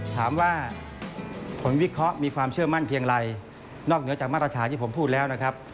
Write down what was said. ถามว่าผลวิเคราะห์มีความเชื่อมั่นเพียงไรนอกเหนือจากมาตรฐานที่ผมพูดแล้วนะครับ